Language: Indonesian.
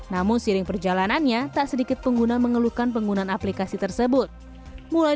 namun seiring perjalanannya tak sedikit pengguna mengeluhkan penggunaan aplikasi tersebut mulai